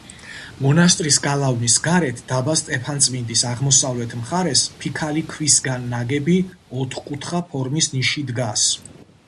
მონასტრის გალავნის გარეთ დაბა სტეფანწმინდის აღმოსავლეთ მხარეს, ფიქალი ქვისგან ნაგები ოთხკუთხა ფორმის ნიში დგას.